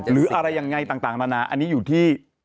หรืออะไรยังไงต่างนานาอันนี้อยู่ที่